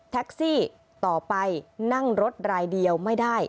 ต่อไปนั่งรถรายเดียวไม่ได้